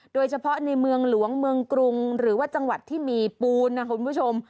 โดยเฉพาะในเมืองหลวงเมืองกรุงหรือว่าจังหวัดที่มีปูนนะคุณผู้ชม